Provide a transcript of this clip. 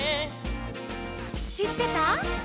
「しってた？」